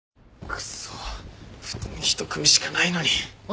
くそっ布団一組しかないのに。